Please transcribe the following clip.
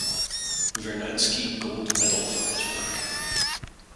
Vernadsky Gold Medal for his work.